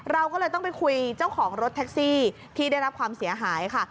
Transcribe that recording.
เราก็เลยต้องไปคุยเจ้าของรถแท็กซี่ที่ได้รับความเสียหายค่ะ